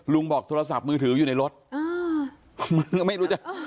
ลุงบอกโทรศัพท์มือถืออยู่ในรถมันก็ไม่รู้จัก